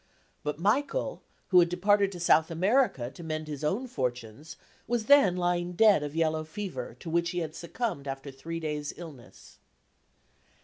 But Michael, who had departed to South America to mend his own fortunes, was then lying dead of yellow fever, to which he had succumbed after three days' illness.